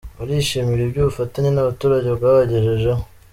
Barishimira ibyo ubufatanye nabaturage bwabagejejeho